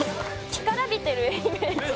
干からびてるイメージ。